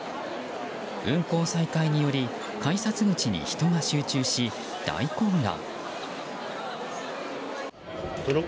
運行再開により改札口に人が集中し大混乱。